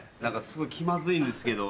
すごい気まずいんですけど。